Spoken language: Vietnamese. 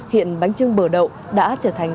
hiện bánh trưng bờ đậu đã trở thành